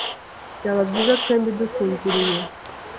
Byaba byiza twembi dusinziriye.